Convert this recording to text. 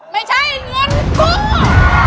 ไม่ใช่เงินกู้